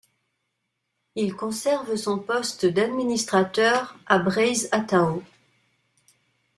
Il conserve son poste d'administrateur à Breiz Atao.